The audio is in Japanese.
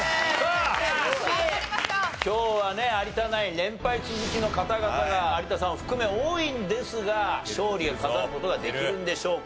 連敗続きの方々が有田さんを含め多いのですが勝利を飾る事ができるのでしょうか？